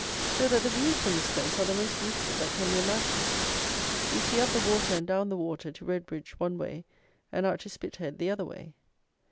So that the views from this place are the most beautiful that can be imagined. You see up the water and down the water, to Redbridge one way and out to Spithead the other way.